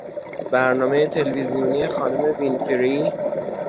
برنامه تلویزیونی خانم وینفری